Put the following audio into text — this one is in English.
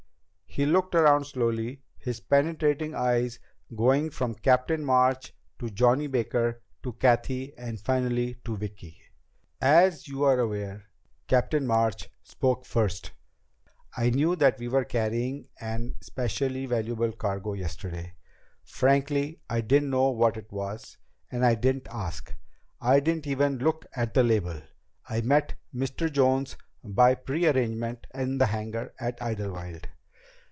He looked around slowly, his penetrating eyes going from Captain March, to Johnny Baker, to Cathy, and finally to Vicki. "As you are aware," Captain March spoke first, "I knew that we were carrying an especially valuable cargo yesterday. Frankly I didn't know what it was, and I didn't ask. I didn't even look at the label. I met Mr. Jones by prearrangement in the hangar at Idlewild.